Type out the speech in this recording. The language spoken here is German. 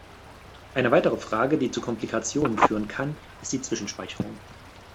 Eine weitere Frage, die zu Komplikationen führen kann, ist die Zwischenspeicherung.